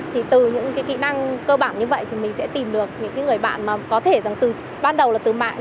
từ những kỹ năng cơ bản như vậy thì mình sẽ tìm được những người bạn có thể từ bắt đầu là từ mạng